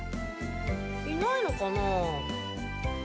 いないのかな？